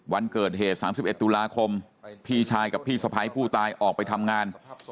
วันเกิดเหตุ๓๑ตุลาคมพี่ชายกับพี่สะพ้ายผู้ตายออกไปทำงาน